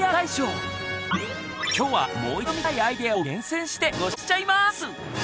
今日はもう一度見たいアイデアを厳選してご紹介しちゃいます！